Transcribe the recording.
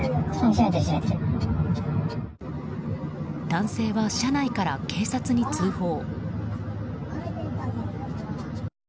男性は車内から警察に通報。